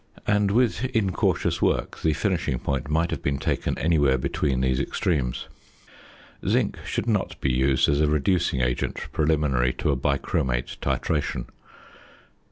and with incautious work the finishing point might have been taken anywhere between these extremes. Zinc should not be used as a reducing agent preliminary to a "bichromate" titration.